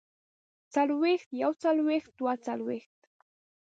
څلوېښت يوڅلوېښت دوه څلوېښت